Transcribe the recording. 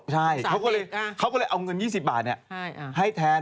ใช่เขาก็เลยเอาเงิน๒๐บาทให้แทน